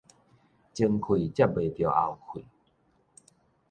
前氣接袂著後氣